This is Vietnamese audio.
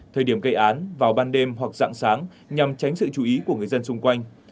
thời điểm gây án vào ban đêm hoặc dạng sáng nhằm tránh sự chú ý của người dân xung quanh